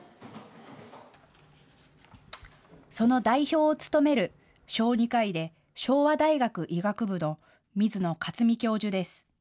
その代表を務める小児科医で昭和大学医学部の水野克己教授です。